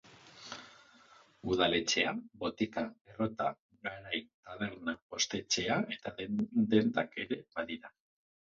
Udaletxea, botika, errota, garai, taberna, postetxea eta dendak ere badira.